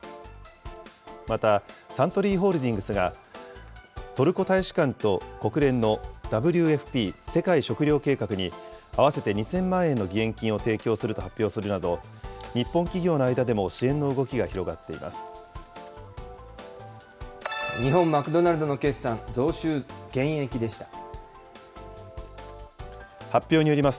また、サントリーホールディングスが、トルコ大使館と国連のＷＦＰ・世界食糧計画に、合わせて２０００万円の義援金を提供すると発表するなど、日本企業の間でも支援の動きが広がっています。